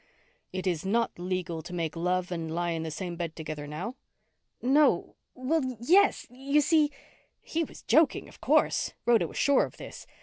"It is not legal to make love and lie in the same bed together now?" "No well, yes you see " He was joking, of course. Rhoda was sure of this.